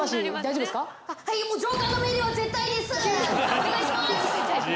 お願いします！